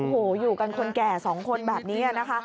โอ้โหอยู่กันคนแก่สองคนแบบนี้นะคะ